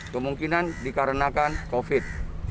kemungkinan dikarenakan covid